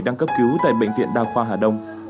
đang cấp cứu tại bệnh viện đa khoa hà đông